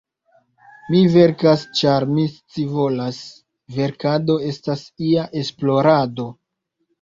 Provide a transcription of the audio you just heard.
Mi verkas, ĉar mi scivolas; verkado estas ia esplorado.